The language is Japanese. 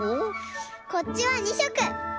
こっちは２しょく。